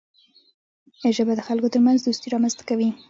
ژبه د خلکو ترمنځ دوستي رامنځته کوي